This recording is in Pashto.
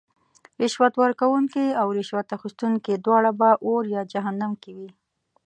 رشوت ورکوونکې او رشوت اخیستونکې دواړه به اور یا جهنم کې وی .